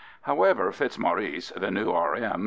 However, Fitzmaurice, the new R.M.